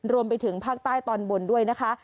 รวมไปถึงภาคใต้ตอนบนด้วยนะคะ